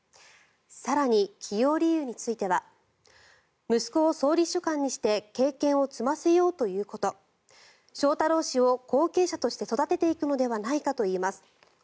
更に起用理由については息子を総理秘書官にして経験を積ませようということ翔太郎氏を後継者として育てていくのではないかといいます。